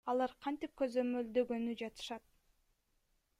Алар кантип көзөмөлдөгөнү жатышат?